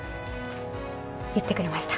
言ってくれました。